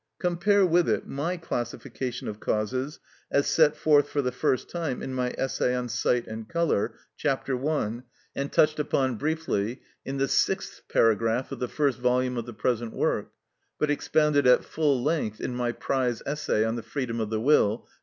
Compare with it my classification of causes as set forth for the first time in my essay on sight and colour, chap. 1, and touched upon briefly in the sixth paragraph of the first volume of the present work, but expounded at full length in my prize essay on the freedom of the will, p.